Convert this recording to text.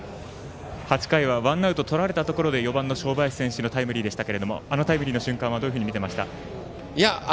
８回はワンアウトとられたところで４番の正林選手のタイムリーでしたがあの瞬間はどういうふうに見ていましたか？